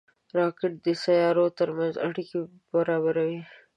راکټ د سیارو ترمنځ اړیکه برابروي